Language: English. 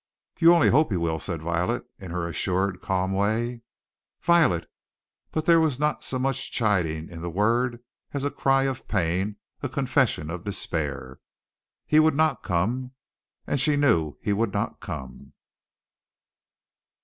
"You only hope he will," said Violet, in her assured, calm way. "Violet!" But there was not so much chiding in the word as a cry of pain, a confession of despair. He would not come; and she knew he would not come.